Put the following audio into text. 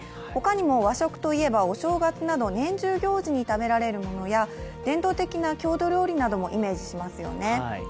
ほかにも和食といえば、お正月などの年中行事で食べるものや伝統的な郷土料理などもイメージしますよね。